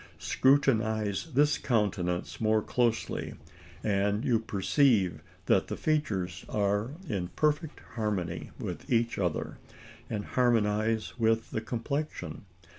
Scrutinise this countenance more closely; and you perceive that the features are in perfect harmony with each other, and harmonise with the complexion.